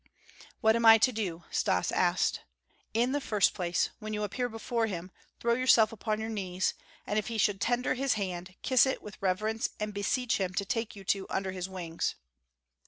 "What am I to do?" Stas asked. "In the first place, when you appear before him throw yourself upon your knees, and if he should tender his hand, kiss it with reverence and beseech him to take you two under his wings."